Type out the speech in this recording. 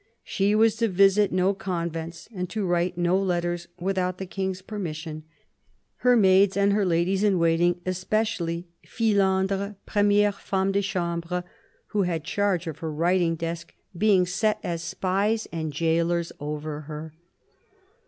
She was to visit no convents and to write no letters without the King's permission, her maids and her ladies in waiting, especially " Fillandre, premiere femme de chambre," who had charge of her writing desk, being set as spies and gaolers over her.